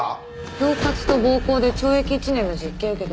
恐喝と暴行で懲役１年の実刑を受けてます。